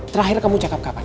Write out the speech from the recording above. terakhir kamu cakap kapan